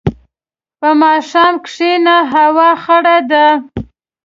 په ماښام کښېنه، هوا خړه ده.